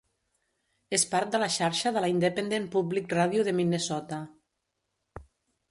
És part de la xarxa de la Independent Public Radio de Minnesota.